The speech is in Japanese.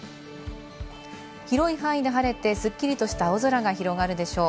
広い範囲で晴れて、すっきりとした青空が広がるでしょう。